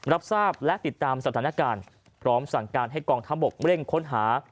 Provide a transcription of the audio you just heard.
รับทราบและติดตามสถานการณ์พร้อมสั่งการให้กองทัพบกเร่งค้นหา